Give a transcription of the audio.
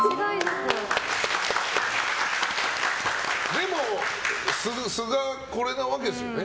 でも素がこれなわけですよね。